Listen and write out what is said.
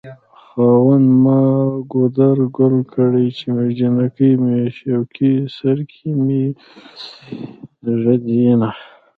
خاونده ما دګودر ګل کړی چې جنکي مې شوکوی سرکې مې ږد ينه